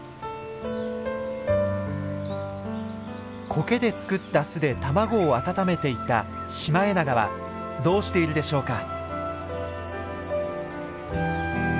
コケで作った巣で卵を温めていたシマエナガはどうしているでしょうか？